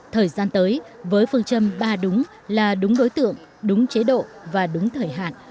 thời gian tới với phương châm ba đúng là đúng đối tượng đúng chế độ và đúng thời hạn